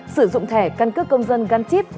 sử dụng thẻ căn cứ công dân gắn chip